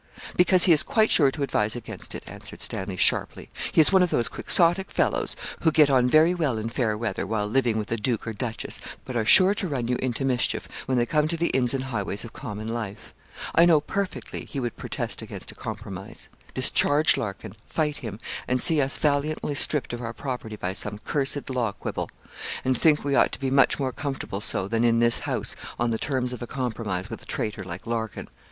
'Because he is quite sure to advise against it,' answered Stanley, sharply. 'He is one of those Quixotic fellows who get on very well in fair weather, while living with a duke or duchess, but are sure to run you into mischief when they come to the inns and highways of common life. I know perfectly, he would protest against a compromise. Discharge Larkin fight him and see us valiantly stript of our property by some cursed law quibble; and think we ought to be much more comfortable so, than in this house, on the terms of a compromise with a traitor like Larkin.